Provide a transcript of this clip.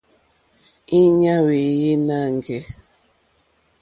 Íɲá hwéyè nâŋɡɛ̂.